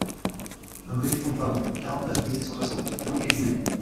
Rue du Pont Poiroux, quarante-neuf mille cent soixante Longué-Jumelles